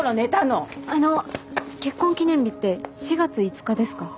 あの結婚記念日って４月５日ですか？